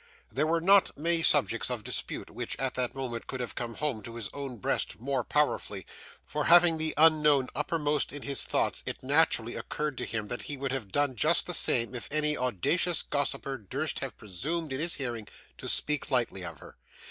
There were not many subjects of dispute which at that moment could have come home to his own breast more powerfully, for having the unknown uppermost in his thoughts, it naturally occurred to him that he would have done just the same if any audacious gossiper durst have presumed in his hearing to speak lightly of her.